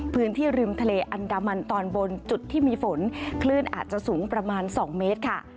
พื้นที่ริมทะเลอันดามันตอนบนจุดที่มีฝนคลื่นอาจจะสูงประมาณ๒เมตรค่ะ